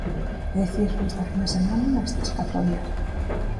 É dicir, esta fin de semana, estes catro días.